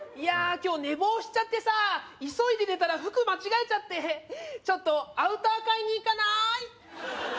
今日寝坊しちゃってさ急いで出たら服間違えちゃってちょっとアウター買いに行かない？